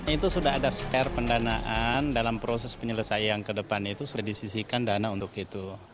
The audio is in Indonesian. itu sudah ada spare pendanaan dalam proses penyelesaian ke depan itu sudah disisikan dana untuk itu